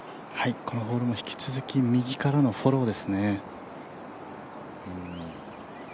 このホールも引き続き右からのフォローですね。